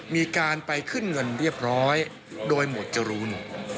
มีการไปขึ้นเงินเรียบร้อยโดยหมวดจรูน